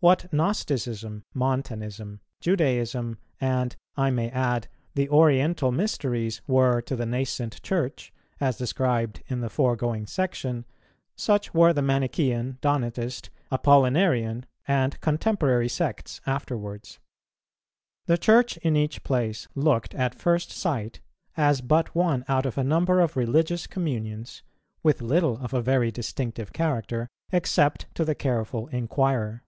What Gnosticism, Montanism, Judaism and, I may add, the Oriental mysteries were to the nascent Church, as described in the foregoing Section, such were the Manichean, Donatist, Apollinarian and contemporary sects afterwards. The Church in each place looked at first sight as but one out of a number of religious communions, with little of a very distinctive character except to the careful inquirer.